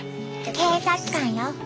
警察官よ。